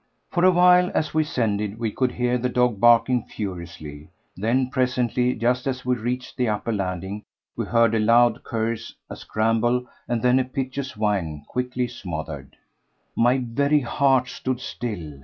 For a while, as we ascended, we could hear the dog barking furiously, then, presently, just as we reached the upper landing, we heard a loud curse, a scramble, and then a piteous whine quickly smothered. My very heart stood still.